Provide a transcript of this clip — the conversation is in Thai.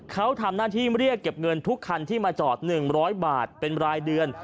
เขาทำหน้าที่เรียกเก็บเงินทุกคันที่มาจอด๑๐๐บาทเป็นรายเดือน